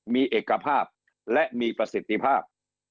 มีเอกภาพและมีประสิทธิภาพ